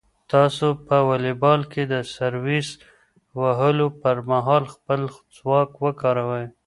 تاسو په واليبال کې د سرویس وهلو پر مهال خپل ځواک وکاروئ.